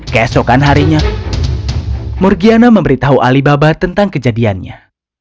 keesokan harinya morgiana memberitahu alibaba tentang kejadiannya